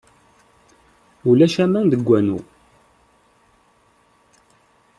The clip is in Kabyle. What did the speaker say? Ulac aman deg wanu.